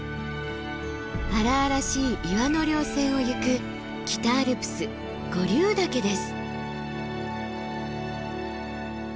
荒々しい岩の稜線をゆく北アルプス五竜岳です。